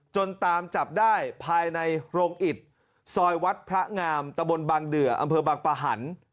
ตามจับได้ภายในโรงอิตซอยวัดพระงามตะบนบางเดืออำเภอบางปะหัน